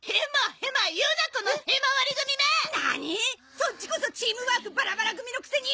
そっちこそチームワークバラバラ組のくせに！